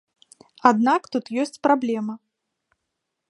Аднак тут ёсць праблема.